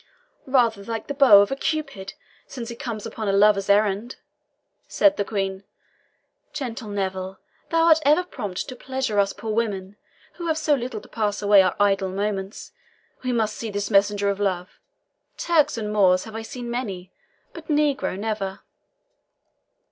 "Rather like the bow of a Cupid, since he comes upon a lover's errand," said the Queen. "Gentle Neville, thou art ever prompt to pleasure us poor women, who have so little to pass away our idle moments. We must see this messenger of love. Turks and Moors have I seen many, but negro never."